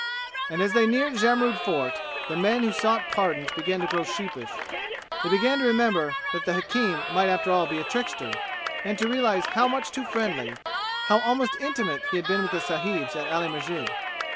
And as they neared Jamrud Fort the men who sought pardons began to grow sheepish. They began to remember that the hakim might after all be a trickster, and to realize how much too friendly how almost intimate he had been with the sahibs at Ali Masjid.